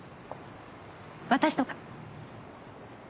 私とか。